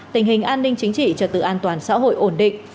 tình hình an ninh chính trị trật tự an toàn xã hội ổn định